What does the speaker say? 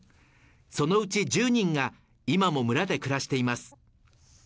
そのうち１０人が今も村で暮らしています。